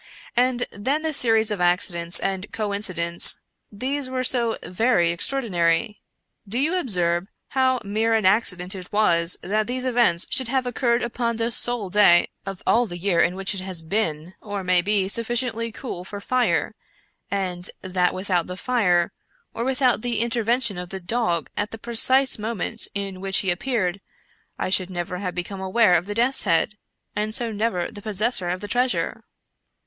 And then the series of accidents and coincidents — these were so very ex traordinary. Do you observe how mere an accident it was that these events should have occurred upon the sole day of all the year in which it has been, or may be sufficiently cool for fire, and that without the fire, or without the in tervention of the dog at the precise moment in which he appeared, I should never have become aware of the death's head, and so never the possessor of the treas ure?"